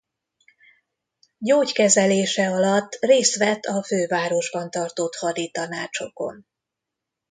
Gyógykezelése alatt részt vett a fővárosban tartott haditanácsokon.